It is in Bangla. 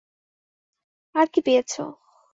আর কী পেয়েছ?